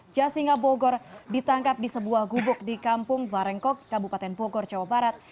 jasinga bogor ditangkap di sebuah gubuk di kampung barengkok kabupaten bogor jawa barat